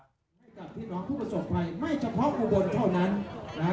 ให้กับพี่น้องผู้ประสบภัยไม่เฉพาะอุบลเท่านั้นนะฮะ